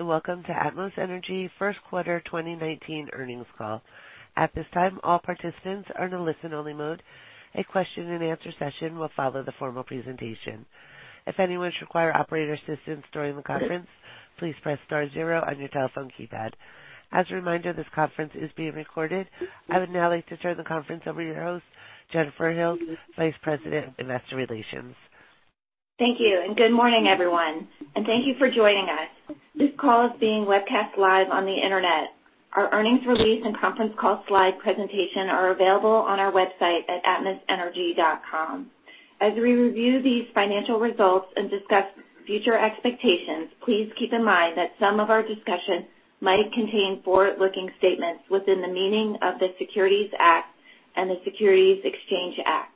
Welcome to Atmos Energy first quarter 2019 earnings call. At this time, all participants are in a listen-only mode. A question and answer session will follow the formal presentation. If anyone should require operator assistance during the conference, please press star zero on your telephone keypad. As a reminder, this conference is being recorded. I would now like to turn the conference over to your host, Jennifer Hills, Vice President of Investor Relations. Thank you. Good morning, everyone, and thank you for joining us. This call is being webcast live on the internet. Our earnings release and conference call slide presentation are available on our website at atmosenergy.com. As we review these financial results and discuss future expectations, please keep in mind that some of our discussions might contain forward-looking statements within the meaning of the Securities Act and the Securities Exchange Act.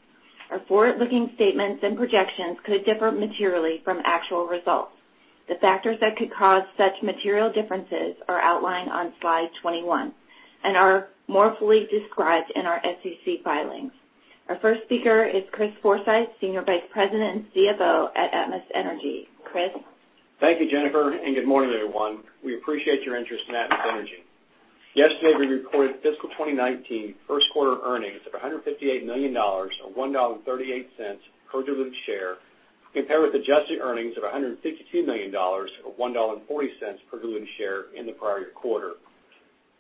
Our forward-looking statements and projections could differ materially from actual results. The factors that could cause such material differences are outlined on slide 21 and are more fully described in our SEC filings. Our first speaker is Chris Forsythe, Senior Vice President and CFO at Atmos Energy. Chris? Thank you, Jennifer. Good morning, everyone. We appreciate your interest in Atmos Energy. Yesterday, we reported fiscal 2019 first quarter earnings of $158 million, or $1.38 per diluted share, compared with adjusted earnings of $152 million, or $1.40 per diluted share in the prior quarter.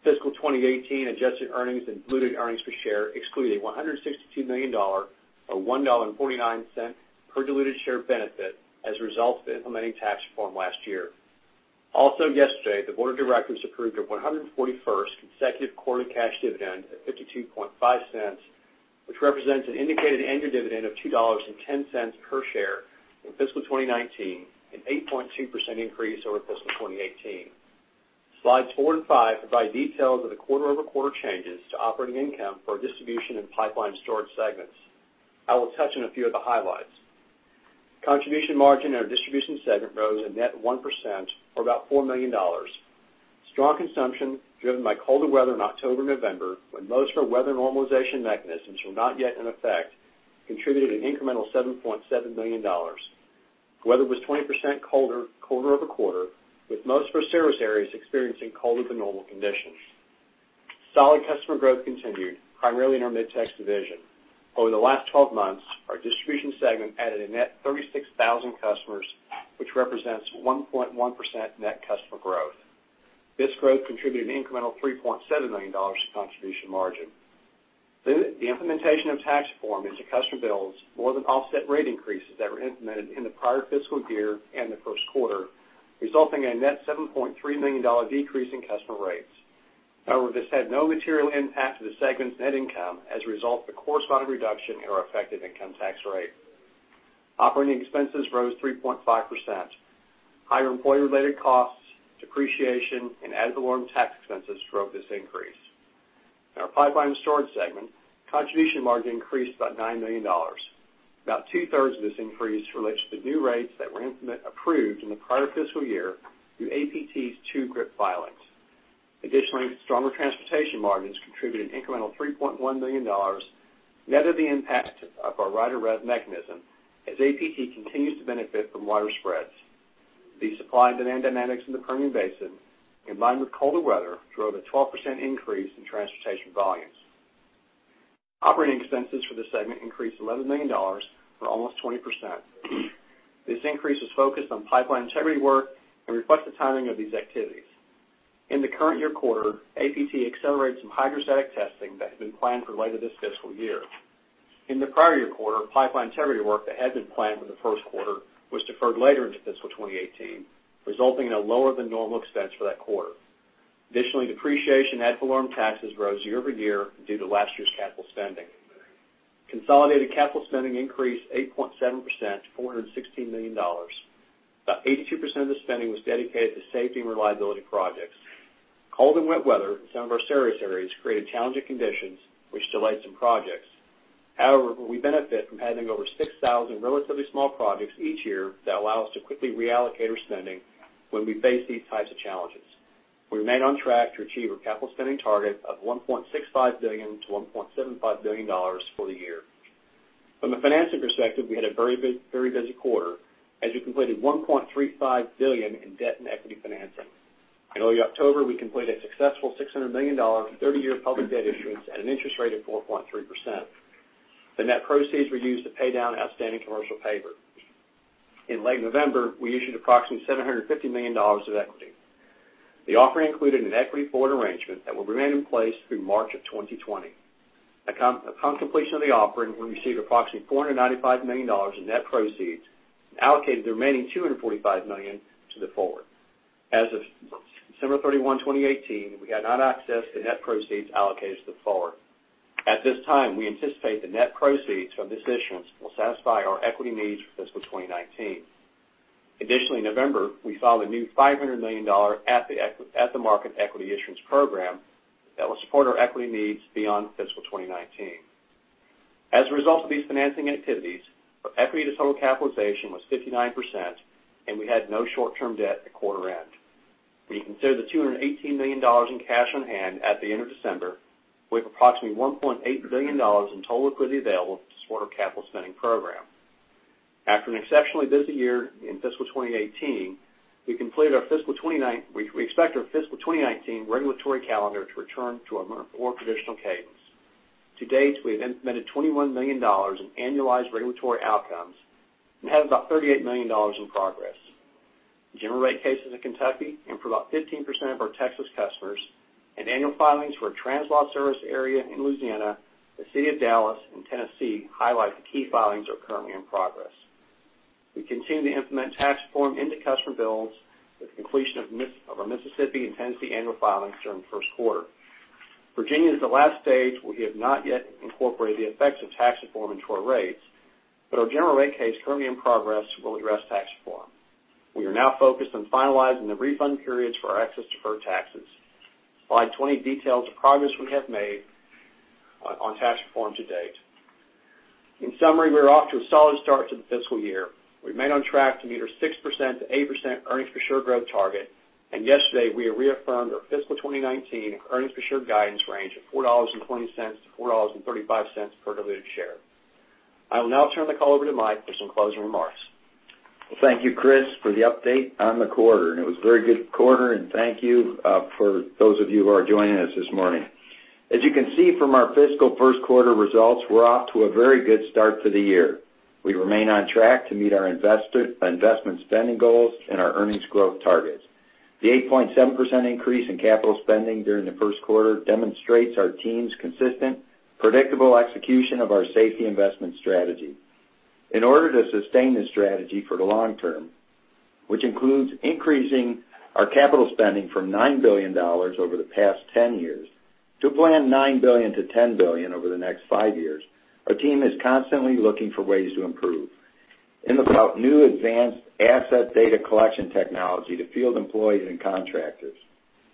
Fiscal 2018 adjusted earnings and diluted earnings per share excluded $162 million, or $1.49 per diluted share benefit as a result of implementing tax reform last year. Also yesterday, the board of directors approved our 141st consecutive quarter cash dividend at $0.525, which represents an indicated annual dividend of $2.10 per share in fiscal 2019, an 8.2% increase over fiscal 2018. Slides four and five provide details of the quarter-over-quarter changes to operating income for our distribution and pipeline storage segments. I will touch on a few of the highlights. Contribution margin in our distribution segment rose a net 1%, or about $4 million. Strong consumption, driven by colder weather in October and November, when most of our weather normalization mechanisms were not yet in effect, contributed an incremental $7.7 million. Weather was 20% colder quarter-over-quarter, with most of our service areas experiencing colder than normal conditions. Solid customer growth continued, primarily in our Mid-Tex division. Over the last 12 months, our distribution segment added a net 36,000 customers, which represents 1.1% net customer growth. This growth contributed an incremental $3.7 million to contribution margin. The implementation of tax reform into customer bills more than offset rate increases that were implemented in the prior fiscal year and the first quarter, resulting in a net $7.3 million decrease in customer rates. However, this had no material impact to the segment's net income as a result of the corresponding reduction in our effective income tax rate. Operating expenses rose 3.5%. Higher employee-related costs, depreciation, and ad valorem tax expenses drove this increase. In our pipeline storage segment, contribution margin increased about $9 million. About two-thirds of this increase relates to the new rates that were approved in the prior fiscal year through APT's two GRIP filings. Additionally, stronger transportation margins contributed an incremental $3.1 million, net of the impact of our Rider Rev mechanism, as APT continues to benefit from wider spreads. The supply and demand dynamics in the Permian Basin, in line with colder weather, drove a 12% increase in transportation volumes. Operating expenses for this segment increased $11 million, or almost 20%. This increase was focused on pipeline integrity work and reflects the timing of these activities. In the current year quarter, APT accelerated some hydrostatic testing that had been planned for later this fiscal year. In the prior year quarter, pipeline integrity work that had been planned for the first quarter was deferred later into fiscal 2018, resulting in a lower than normal expense for that quarter. Additionally, depreciation and ad valorem taxes rose year-over-year due to last year's capital spending. Consolidated capital spending increased 8.7% to $416 million. About 82% of the spending was dedicated to safety and reliability projects. Cold and wet weather in some of our service areas created challenging conditions, which delayed some projects. However, we benefit from having over 6,000 relatively small projects each year that allow us to quickly reallocate our spending when we face these types of challenges. We remain on track to achieve our capital spending target of $1.65 billion-$1.75 billion for the year. From a financing perspective, we had a very busy quarter, as we completed $1.35 billion in debt and equity financing. In early October, we completed a successful $600 million, 30-year public debt issuance at an interest rate of 4.3%. The net proceeds were used to pay down outstanding commercial paper. In late November, we issued approximately $750 million of equity. The offering included an equity forward arrangement that will remain in place through March of 2020. Upon completion of the offering, we received approximately $495 million in net proceeds and allocated the remaining $245 million to the forward. As of December 31, 2018, we had not accessed the net proceeds allocated to the forward. At this time, we anticipate the net proceeds from this issuance will satisfy our equity needs for fiscal 2019. Additionally, in November, we filed a new $500 million at-the-market equity issuance program that will support our equity needs beyond fiscal 2019. As a result of these financing activities, our equity to total capitalization was 59%, and we had no short-term debt at quarter end. When you consider the $218 million in cash on hand at the end of December, we have approximately $1.8 billion in total liquidity available to support our capital spending program. After an exceptionally busy year in fiscal 2018, we expect our fiscal 2019 regulatory calendar to return to a more traditional cadence. To date, we have implemented $21 million in annualized regulatory outcomes and have about $38 million in progress. General rate cases in Kentucky and for about 15% of our Texas customers and annual filings for a TransLa service area in Louisiana, the City of Dallas, and Tennessee highlight the key filings are currently in progress. We continue to implement tax reform into customer bills with completion of our Mississippi and Tennessee annual filings during the first quarter. Virginia is the last state where we have not yet incorporated the effects of tax reform into our rates. Our general rate case currently in progress will address tax reform. We are now focused on finalizing the refund periods for our excess deferred taxes. Slide 20 details the progress we have made on tax reform to date. In summary, we're off to a solid start to the fiscal year. We remain on track to meet our 6%-8% earnings per share growth target. Yesterday, we reaffirmed our fiscal 2019 earnings per share guidance range of $4.20-$4.35 per diluted share. I will now turn the call over to Mike for some closing remarks. Well, thank you, Chris, for the update on the quarter, and it was a very good quarter. Thank you for those of you who are joining us this morning. As you can see from our fiscal first quarter results, we're off to a very good start to the year. We remain on track to meet our investment spending goals and our earnings growth targets. The 8.7% increase in capital spending during the first quarter demonstrates our team's consistent, predictable execution of our safety investment strategy. In order to sustain this strategy for the long term, which includes increasing our capital spending from $9 billion over the past 10 years to plan $9 billion-$10 billion over the next five years, our team is constantly looking for ways to improve and develop new advanced asset data collection technology to field employees and contractors.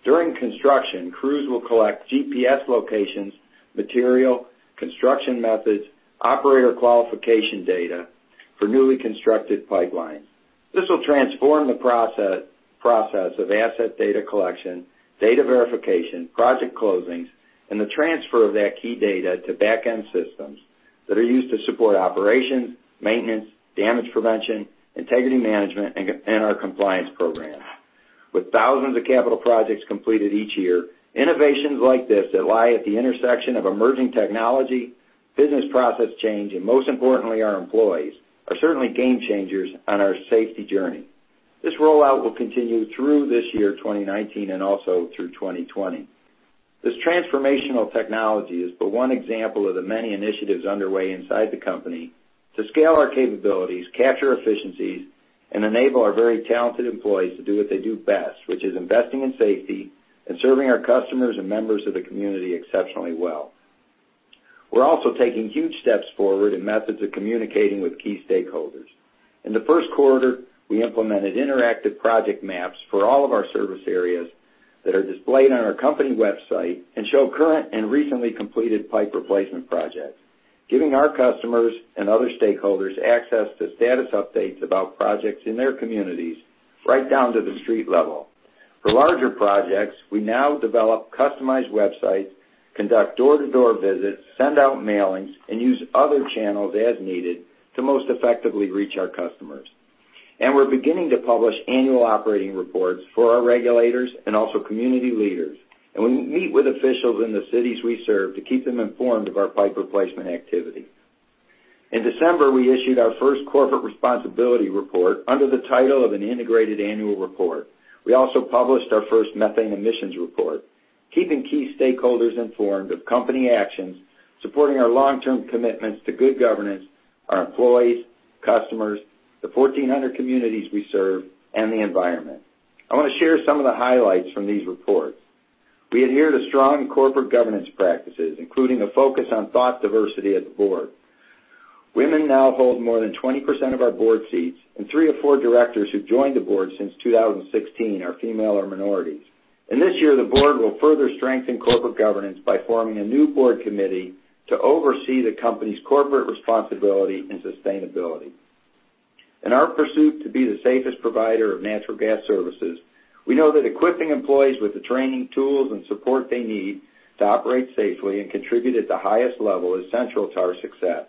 During construction, crews will collect GPS locations, material, construction methods, operator qualification data for newly constructed pipelines. This will transform the process of asset data collection, data verification, project closings, and the transfer of that key data to back-end systems that are used to support operations, maintenance, damage prevention, integrity management, and our compliance programs. With thousands of capital projects completed each year, innovations like this that lie at the intersection of emerging technology, business process change, and most importantly, our employees, are certainly game-changers on our safety journey. This rollout will continue through this year, 2019, and also through 2020. This transformational technology is but one example of the many initiatives underway inside the company to scale our capabilities, capture efficiencies, and enable our very talented employees to do what they do best, which is investing in safety and serving our customers and members of the community exceptionally well. We're also taking huge steps forward in methods of communicating with key stakeholders. In the first quarter, we implemented interactive project maps for all of our service areas that are displayed on our company website and show current and recently completed pipe replacement projects, giving our customers and other stakeholders access to status updates about projects in their communities right down to the street level. For larger projects, we now develop customized websites, conduct door-to-door visits, send out mailings, and use other channels as needed to most effectively reach our customers. We're beginning to publish annual operating reports for our regulators and also community leaders. We meet with officials in the cities we serve to keep them informed of our pipe replacement activity. In December, we issued our first corporate responsibility report under the title of an integrated annual report. We also published our first methane emissions report, keeping key stakeholders informed of company actions, supporting our long-term commitments to good governance, our employees, customers, the 1,400 communities we serve, and the environment. I want to share some of the highlights from these reports. We adhere to strong corporate governance practices, including a focus on thought diversity at the board. Women now hold more than 20% of our board seats, and three of four directors who've joined the board since 2016 are female or minorities. This year, the board will further strengthen corporate governance by forming a new board committee to oversee the company's corporate responsibility and sustainability. In our pursuit to be the safest provider of natural gas services, we know that equipping employees with the training, tools, and support they need to operate safely and contribute at the highest level is central to our success.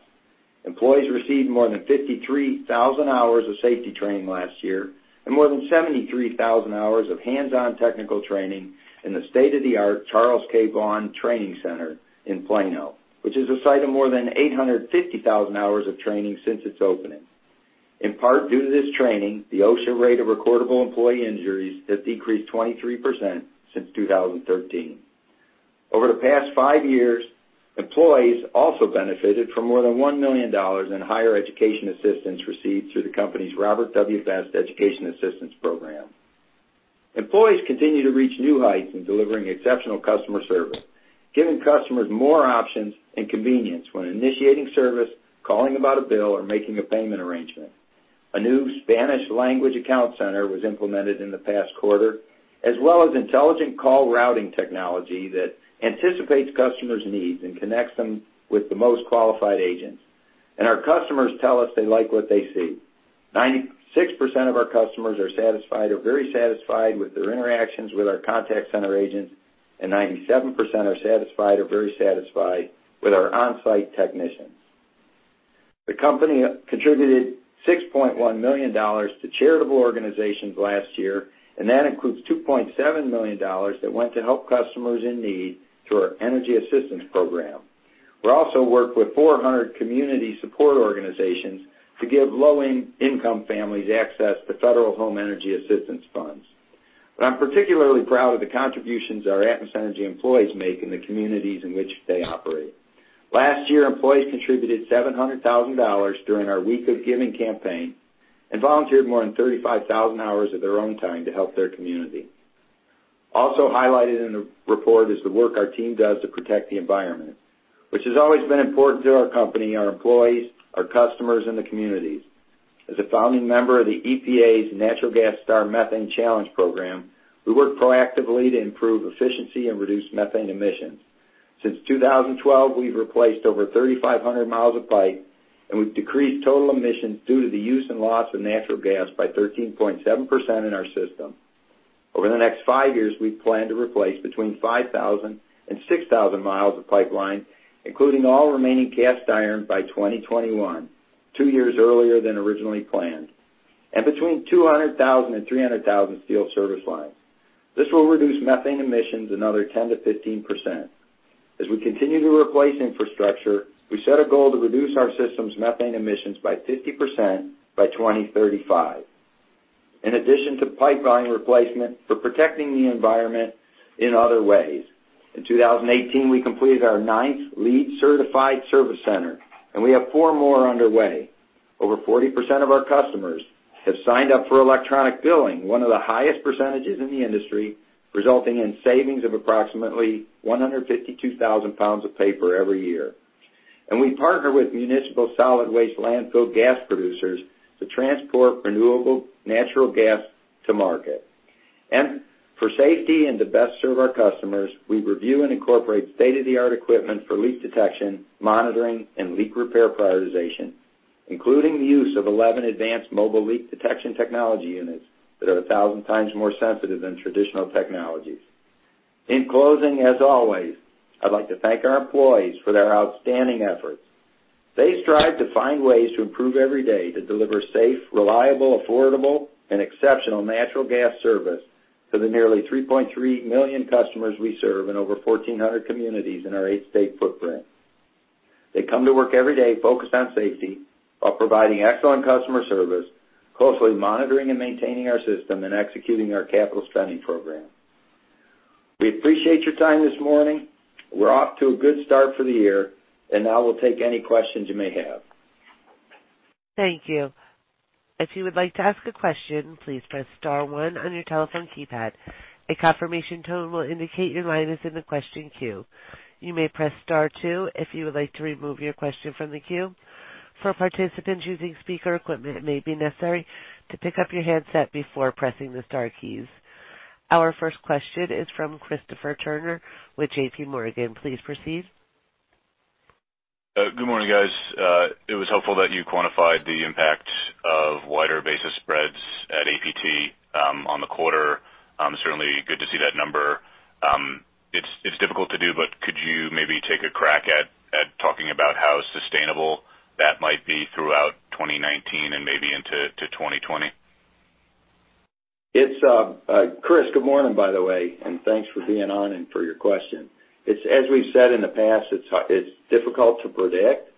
Employees received more than 53,000 hours of safety training last year and more than 73,000 hours of hands-on technical training in the state-of-the-art Charles K. Vaughan Center in Plano, which is a site of more than 850,000 hours of training since its opening. In part due to this training, the OSHA rate of recordable employee injuries has decreased 23% since 2013. Over the past five years, employees also benefited from more than $1 million in higher education assistance received through the company's Robert W. Best Education Assistance Program. Employees continue to reach new heights in delivering exceptional customer service, giving customers more options and convenience when initiating service, calling about a bill, or making a payment arrangement. A new Spanish language account center was implemented in the past quarter, as well as intelligent call routing technology that anticipates customers' needs and connects them with the most qualified agents. Our customers tell us they like what they see. 96% of our customers are satisfied or very satisfied with their interactions with our contact center agents, and 97% are satisfied or very satisfied with our onsite technicians. The company contributed $6.1 million to charitable organizations last year, and that includes $2.7 million that went to help customers in need through our Energy Assistance program. We also work with 400 community support organizations to give low-income families access to federal home energy assistance funds. I'm particularly proud of the contributions our Atmos Energy employees make in the communities in which they operate. Last year, employees contributed $700,000 during our Week of Giving campaign and volunteered more than 35,000 hours of their own time to help their community. Also highlighted in the report is the work our team does to protect the environment, which has always been important to our company, our employees, our customers, and the communities. As a founding member of the EPA's Natural Gas STAR Methane Challenge program, we work proactively to improve efficiency and reduce methane emissions. Since 2012, we've replaced over 3,500 miles of pipe, and we've decreased total emissions due to the use and loss of natural gas by 13.7% in our system. Over the next five years, we plan to replace between 5,000 and 6,000 miles of pipeline, including all remaining cast iron by 2021, two years earlier than originally planned, and between 200,000 and 300,000 steel service lines. This will reduce methane emissions another 10%-15%. As we continue to replace infrastructure, we set a goal to reduce our system's methane emissions by 50% by 2035. In addition to pipeline replacement, we're protecting the environment in other ways. In 2018, we completed our ninth LEED-certified service center, and we have four more underway. Over 40% of our customers have signed up for electronic billing, one of the highest percentages in the industry, resulting in savings of approximately 152,000 pounds of paper every year. We partner with municipal solid waste landfill gas producers to transport renewable natural gas to market. For safety and to best serve our customers, we review and incorporate state-of-the-art equipment for leak detection, monitoring, and leak repair prioritization, including the use of 11 advanced mobile leak detection technology units that are a thousand times more sensitive than traditional technologies. In closing, as always, I'd like to thank our employees for their outstanding efforts. They strive to find ways to improve every day to deliver safe, reliable, affordable, and exceptional natural gas service to the nearly 3.3 million customers we serve in over 1,400 communities in our eight-state footprint. They come to work every day focused on safety while providing excellent customer service, closely monitoring and maintaining our system and executing our capital spending program. We appreciate your time this morning. Now we'll take any questions you may have. Thank you. If you would like to ask a question, please press star one on your telephone keypad. A confirmation tone will indicate your line is in the question queue. You may press star two if you would like to remove your question from the queue. For participants using speaker equipment, it may be necessary to pick up your handset before pressing the star keys. Our first question is from Christopher Turnure with JPMorgan. Please proceed. Good morning, guys. It was helpful that you quantified the impact of wider basis spreads at APT on the quarter. Certainly good to see that number. It's difficult to do, but could you maybe take a crack at talking about how sustainable that might be throughout 2019 and maybe into 2020? Chris, good morning, by the way, and thanks for being on and for your question. As we've said in the past, it's difficult to predict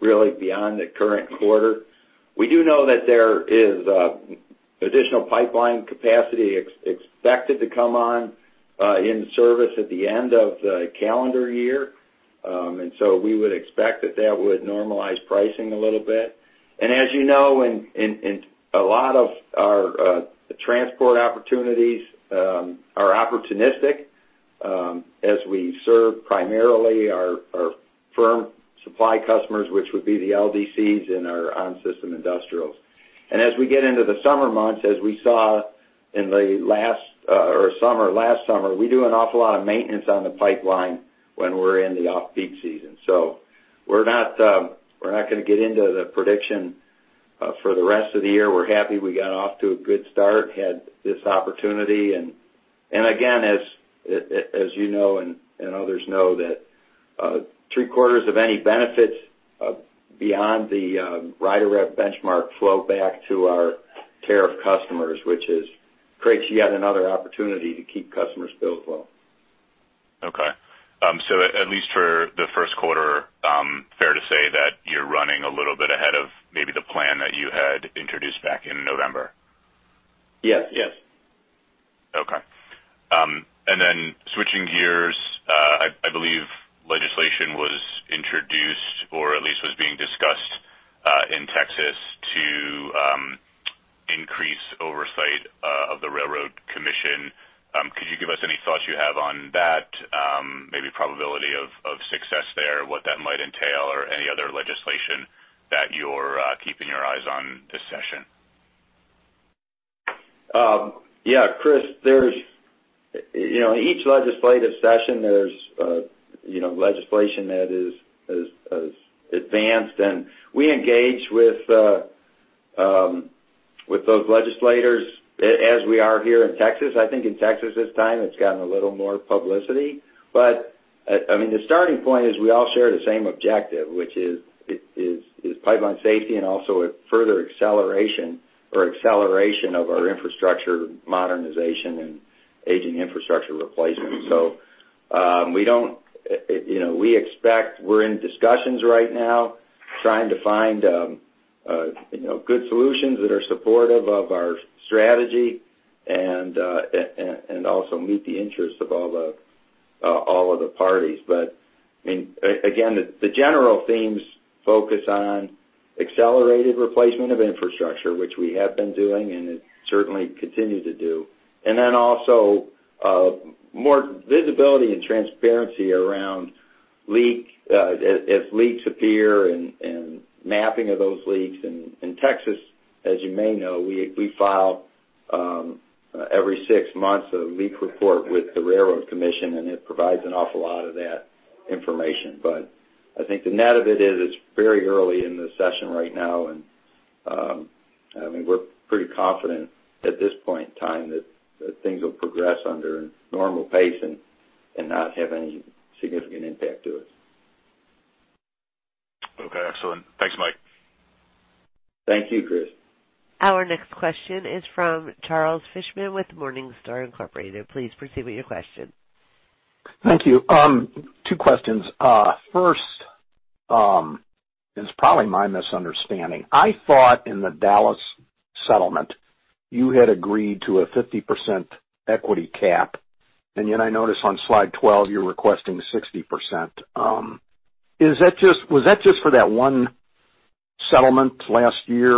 really beyond the current quarter. We do know that there is additional pipeline capacity expected to come on in service at the end of the calendar year. We would expect that that would normalize pricing a little bit. As you know, a lot of our transport opportunities are opportunistic as we serve primarily our firm supply customers, which would be the LDCs in our on-system industrials. As we get into the summer months, as we saw in the last summer, we do an awful lot of maintenance on the pipeline when we're in the off-peak season. We're not going to get into the prediction for the rest of the year. We're happy we got off to a good start, had this opportunity. As you know, and others know that three-quarters of any benefits beyond the Rider Rev benchmark flow back to our tariff customers, which is creates yet another opportunity to keep customers' bills low. At least for the first quarter, fair to say that you're running a little bit ahead of maybe the plan that you had introduced back in November? Yes. Okay. Switching gears, I believe legislation was introduced or at least was being discussed in Texas to increase oversight of the Railroad Commission. Could you give us any thoughts you have on that, maybe probability of success there, what that might entail, or any other legislation that you're keeping your eyes on this session? Yeah, Chris, each legislative session there's legislation that is advanced, and we engage with those legislators as we are here in Texas. I think in Texas this time it's gotten a little more publicity. The starting point is we all share the same objective, which is pipeline safety and also a further acceleration or acceleration of our infrastructure modernization and aging infrastructure replacement. We're in discussions right now trying to find good solutions that are supportive of our strategy and also meet the interests of all of the parties. Again, the general themes focus on accelerated replacement of infrastructure, which we have been doing and certainly continue to do. Also more visibility and transparency around as leaks appear and mapping of those leaks. In Texas, as you may know, we file every six months a leak report with the Railroad Commission. It provides an awful lot of that information. I think the net of it is very early in the session right now, we're pretty confident at this point in time that things will progress under normal pace and not have any significant impact to us. Okay, excellent. Thanks, Mike. Thank you, Chris. Our next question is from Charles Fishman with Morningstar, Inc.. Please proceed with your question. Thank you. Two questions. First, it's probably my misunderstanding. I thought in the Dallas settlement you had agreed to a 50% equity cap, and yet I notice on slide 12 you're requesting 60%. Was that just for that one settlement last year?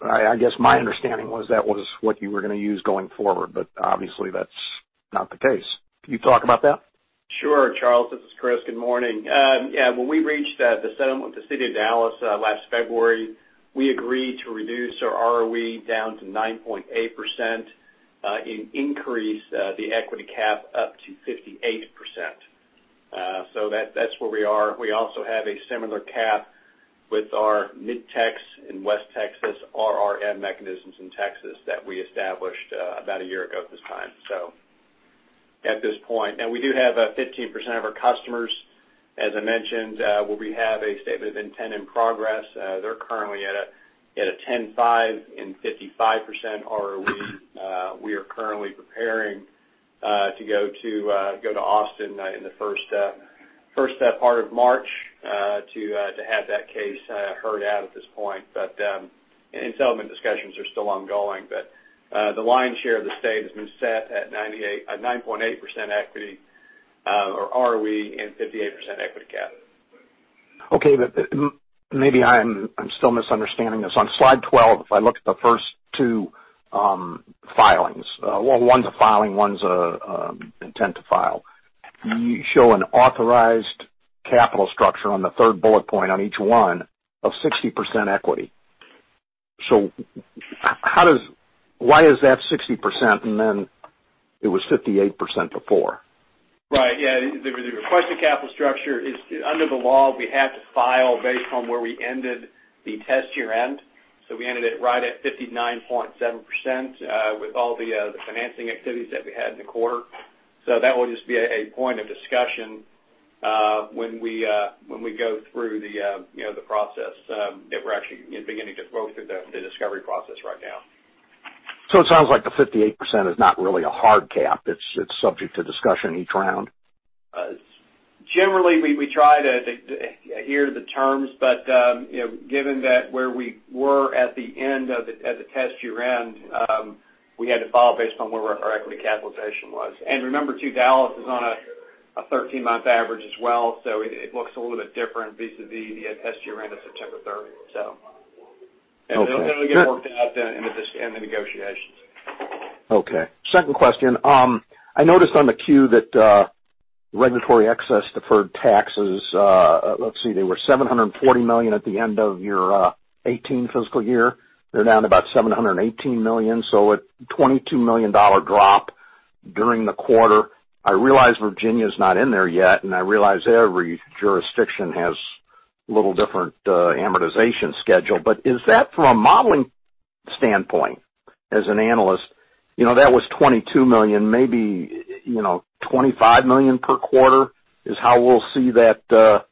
I guess my understanding was that was what you were going to use going forward, but obviously that's not the case. Can you talk about that? Sure, Charles, this is Chris. Good morning. When we reached the settlement with the City of Dallas last February, we agreed to reduce our ROE down to 9.8%, and increase the equity cap up to 58%. That's where we are. We also have a similar cap with our Mid-Tex in West Texas, RRM mechanisms in Texas that we established about a year ago at this point. We do have 15% of our customers, as I mentioned, where we have a statement of intent in progress. They're currently at a 10.5% and 55% ROE. We are currently preparing to go to Austin in the first part of March to have that case heard out at this point. Settlement discussions are still ongoing. The lion's share of the state has been set at 9.8% equity or ROE and 58% equity cap. Okay. Maybe I'm still misunderstanding this. On slide 12, if I look at the first two filings, well, one's a filing, one's intent to file. You show an authorized capital structure on the third bullet point on each one of 60% equity. Why is that 60% and then it was 58% before? Right. Yeah. The requested capital structure is under the law, we have to file based on where we ended the test year-end. We ended it right at 59.7% with all the financing activities that we had in the quarter. That will just be a point of discussion when we go through the process that we're actually beginning to go through the discovery process right now. It sounds like the 58% is not really a hard cap. It's subject to discussion each round. Generally, we try to adhere to the terms, given that where we were at the end of the test year-end, we had to file based on where our equity capitalization was. Remember too, Dallas is on a 13-month average as well. It looks a little bit different vis-a-vis the test year-end of September 30th. It'll get worked out in the negotiations. Okay. Second question. I noticed on the Q that regulatory excess deferred taxes, let's see, they were $740 million at the end of your 2018 fiscal year. They're down about $718 million, so a $22 million drop during the quarter. I realize Virginia's not in there yet, and I realize every jurisdiction has a little different amortization schedule. Is that from a modeling standpoint, as an analyst, that was $22 million, maybe $25 million per quarter is how we'll see that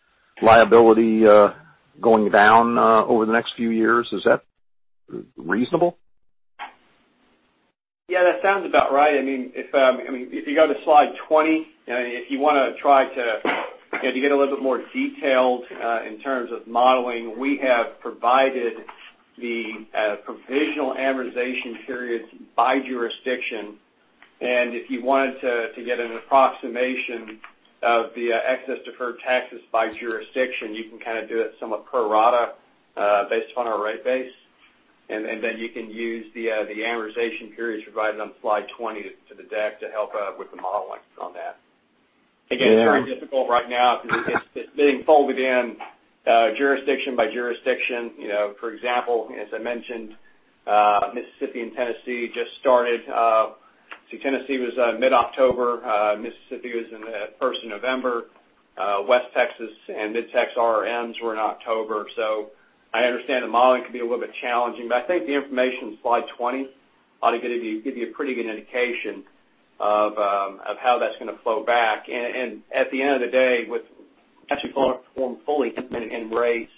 liability going down over the next few years. Is that reasonable? Yeah, that sounds about right. If you go to slide 20, if you want to try to get a little bit more detailed in terms of modeling, we have provided the provisional amortization periods by jurisdiction, and if you wanted to get an approximation of the excess deferred taxes by jurisdiction, you can kind of do it somewhat pro rata based on our rate base. You can use the amortization periods provided on slide 20 to the deck to help out with the modeling on that. Again, it's very difficult right now because it's being folded in jurisdiction by jurisdiction. For example, as I mentioned, Mississippi and Tennessee just started. Tennessee was mid-October. Mississippi was in the first of November. West Texas and Mid-Texas RMs were in October. I understand the modeling can be a little bit challenging, but I think the information in slide 20 ought to give you a pretty good indication of how that's going to flow back. At the end of the day, with actually flowing fully in rates,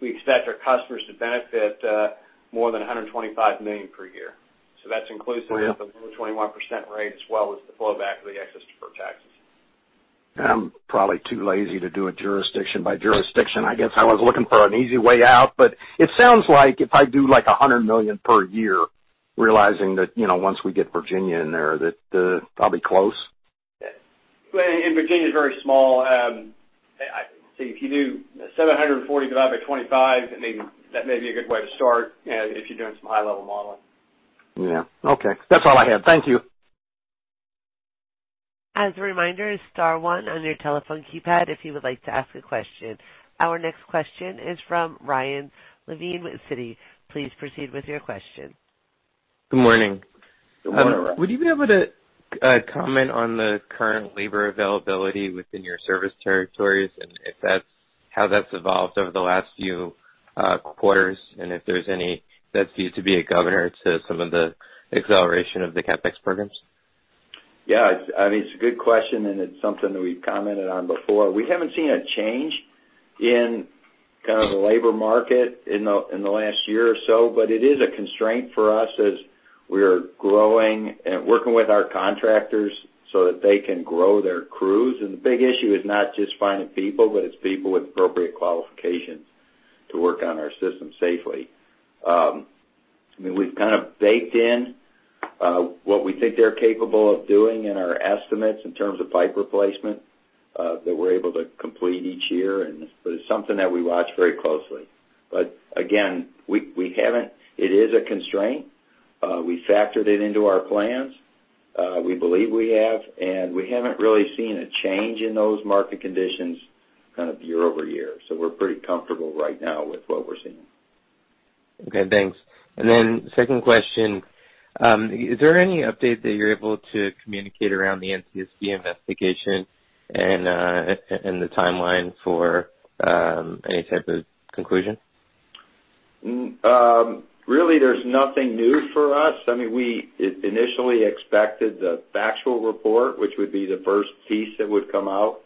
we expect our customers to benefit more than $125 million per year. That's inclusive of the [new] 21% rate as well as the flow back of the excess deferred taxes. I'm probably too lazy to do it jurisdiction by jurisdiction. I guess I was looking for an easy way out. It sounds like if I do, like, $100 million per year, realizing that once we get Virginia in there, that I'll be close. Yeah. Virginia is very small. If you do 740 divided by 25, that may be a good way to start if you're doing some high-level modeling. Yeah. Okay. That's all I had. Thank you. As a reminder, star one on your telephone keypad if you would like to ask a question. Our next question is from Ryan Levine with Citi. Please proceed with your question. Good morning. Good morning, Ryan. Would you be able to comment on the current labor availability within your service territories and how that's evolved over the last few quarters? If there's any that's viewed to be a governor to some of the acceleration of the CapEx programs? Yeah. It's a good question, it's something that we've commented on before. We haven't seen a change in the labor market in the last year or so, but it is a constraint for us as we are growing and working with our contractors so that they can grow their crews. The big issue is not just finding people, but it's people with appropriate qualifications to work on our system safely. We've kind of baked in what we think they're capable of doing in our estimates in terms of pipe replacement that we're able to complete each year. It's something that we watch very closely. Again, it is a constraint. We factored it into our plans. We believe we have, and we haven't really seen a change in those market conditions kind of year-over-year. We're pretty comfortable right now with what we're seeing. Okay, thanks. Then second question, is there any update that you're able to communicate around the NTSB investigation and the timeline for any type of conclusion? Really, there's nothing new for us. We initially expected the factual report, which would be the first piece that would come out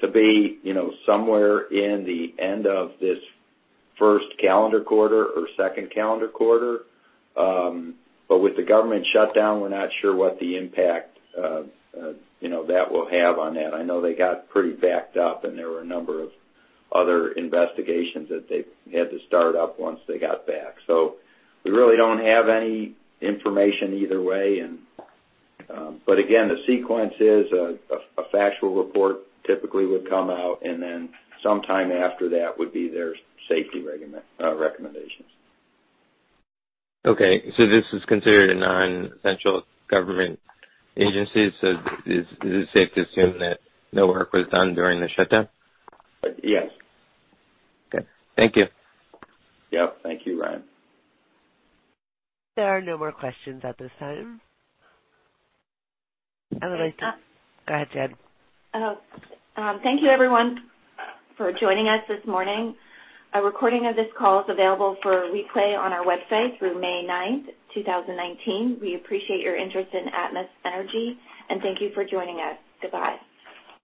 to be somewhere in the end of this first calendar quarter or second calendar quarter. With the government shutdown, we're not sure what the impact that will have on that. I know they got pretty backed up, and there were a number of other investigations that they had to start up once they got back. We really don't have any information either way. Again, the sequence is a factual report typically would come out, and then sometime after that would be their safety recommendations. Okay. This is considered a non-essential government agency. Is it safe to assume that no work was done during the shutdown? Yes. Okay. Thank you. Yep. Thank you, Ryan. There are no more questions at this time. Go ahead, Jen. Thank you, everyone, for joining us this morning. A recording of this call is available for replay on our website through May 9th, 2019. We appreciate your interest in Atmos Energy, and thank you for joining us. Goodbye.